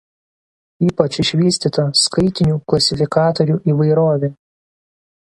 Ypač išvystyta skaitinių klasifikatorių įvairovė.